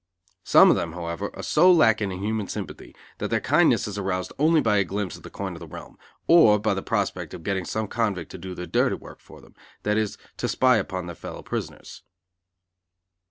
Some of them, however, are so lacking in human sympathy, that their kindness is aroused only by a glimpse of the coin of the realm; or by the prospect of getting some convict to do their dirty work for them, that is, to spy upon their fellow prisoners.